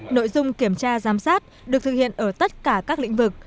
nội dung kiểm tra giám sát được thực hiện ở tất cả các lĩnh vực